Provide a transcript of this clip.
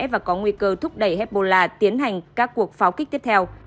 và có nguy cơ thúc đẩy hezbollah tiến hành các cuộc pháo kích tiếp theo